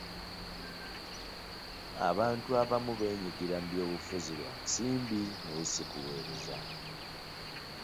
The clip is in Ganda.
Abantu abamu beenyigira mu byobufuzi lwa nsimbi naye si kuweereza.